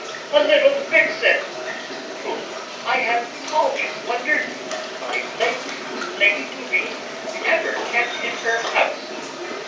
a little vixen, whom I have always wondered my late Lady Booby ever kept in her house.